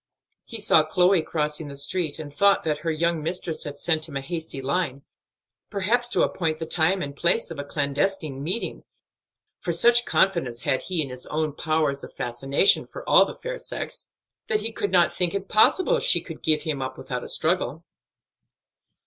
He saw Chloe crossing the street, and thought that her young mistress had sent him a hasty line, perhaps to appoint the time and place of a clandestine meeting; for such confidence had he in his own powers of fascination for all the fair sex, that he could not think it possible she could give him up without a struggle.